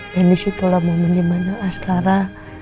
dan disitulah momen dimana askara